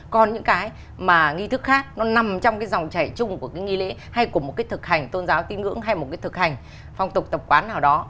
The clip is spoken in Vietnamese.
còn những cái mà nghi thức khác nó nằm trong cái dòng chảy chung của cái nghi lễ hay của một cái thực hành tôn giáo tín ngưỡng hay một cái thực hành phong tục tập quán nào đó